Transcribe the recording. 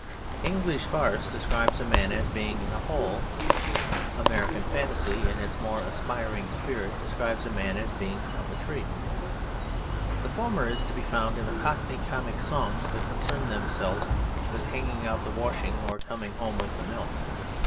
English farce describes a man as being in a hole. American fantasy, in its more aspiring spirit, describes a man as being up a tree. The former is to be found in the cockney comic songs that concern themselves with hanging out the washing or coming home with the milk.